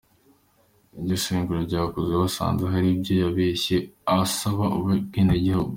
Igenzura ryakozwe basanze hari ibyo yabeshye asaba ubwenegihugu.